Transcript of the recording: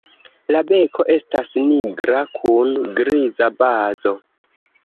La beko estas nigra kun griza bazo.